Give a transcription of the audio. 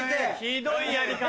ひどいやり方。